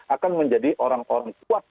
akan menjadi orang orang kuat